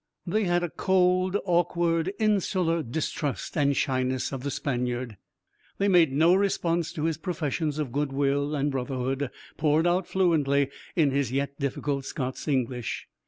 They had a cold, awkward, insular distrust and shyness of the Spaniard. They made no response to his professions of goodwill and brotherhood, poured out fluently in his yet difficult Scots English.